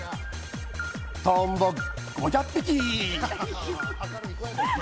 トンボ５００匹！